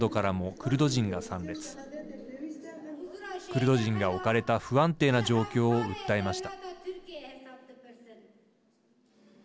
クルド人が置かれた不安定な状況を訴えました。